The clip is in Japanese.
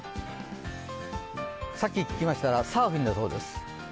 さっき聞きましたら、サーフィンだそうです。